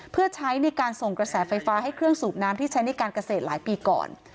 เพื่อใช้ในการส่งกระแสไฟฟ้าให้เครื่องสูบน้ำที่ใช้ในการเกษตรหลายปีก่อน